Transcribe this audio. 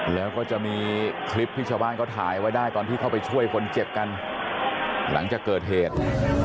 แล้วก็จะมีคลิปที่ชาวบ้านเขาถ่ายไว้ได้ตอนที่เข้าไปช่วยคนเจ็บกันหลังจากเกิดเหตุ